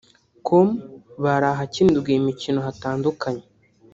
com bari ahakinirwa iyi mikino hatandukanye